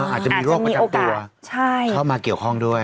อาจจะมีโอกาสเข้ามาเกี่ยวข้องด้วย